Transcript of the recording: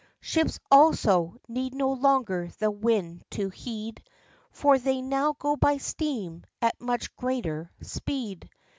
Ships, also, need no longer the wind to heed, For they now go by steam, at much greater speed.